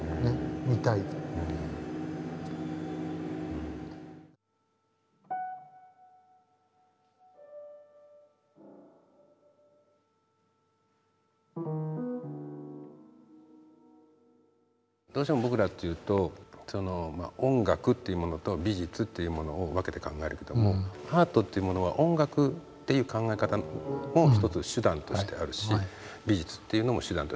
見たい。どうしても僕らっていうと音楽っていうものと美術っていうものを分けて考えるけども「アート」っていうものは音楽っていう考え方も一つ手段としてあるし美術っていうのも手段としてある。